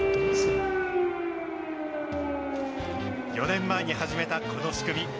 ４年前に始めたこの仕組み。